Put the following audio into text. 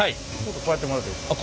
こうやってもらっていいですか？